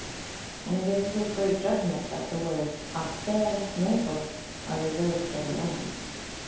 [And it is with great judgment that the words ὥσπερ νέφος are reserved till the end.